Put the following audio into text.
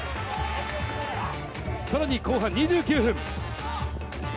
さらに後半２９分。